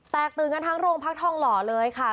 ตื่นกันทั้งโรงพักทองหล่อเลยค่ะ